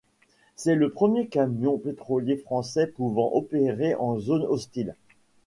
C'est le premier camion pétrolier français pouvant opérer en zone hostile.